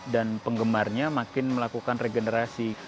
dan penggemarnya makin melakukan regenerasi